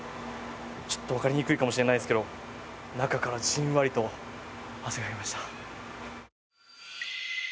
ちょっとわかりにくいかもしれないですけど中からじんわりと汗かきました。